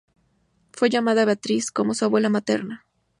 Fue llamada Beatriz, como su abuela materna.